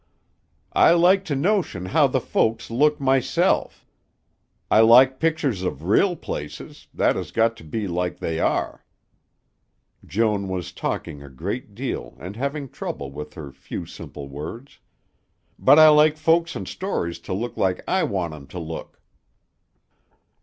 "I like to notion how the folks look myself. I like pictures of real places, that has got to be like they are" Joan was talking a great deal and having trouble with her few simple words "but I like folks in stories to look like I want 'em to look."